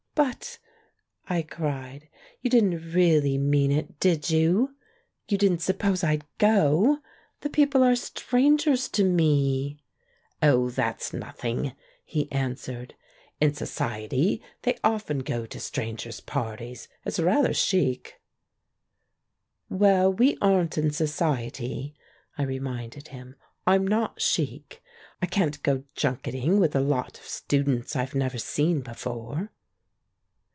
"But," I cried, "you didn't really mean it, did you? You didn't suppose I'd go? The people are strangers to me." "Oh, that's nothing," he answered. "In So ciety they often go to strangers' parties. It's rather chic." "Well, we aren't in Society," I reminded him. "I'm not chic. I can't go junketing with a lot of students I've never seen before."